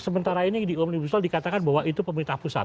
sementara ini di omnibus law dikatakan bahwa itu pemerintah pusat